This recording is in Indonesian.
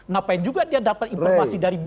ngapain juga dia dapat informasi dari b